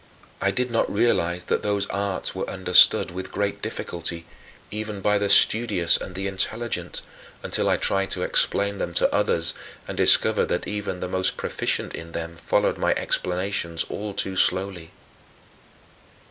I did not realize that those arts were understood with great difficulty, even by the studious and the intelligent, until I tried to explain them to others and discovered that even the most proficient in them followed my explanations all too slowly.